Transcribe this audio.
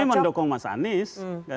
kami mendukung mas anies